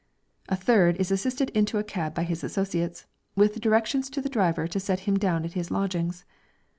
A third is assisted into a cab by his associates, with directions to the driver to set him down at his lodgings.